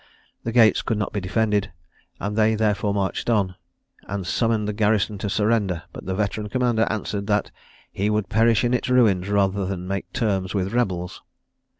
The gates could not be defended, and they therefore marched in, and summoned the garrison to surrender; but the veteran commander answered that "he would perish in its ruins rather than make terms with rebels."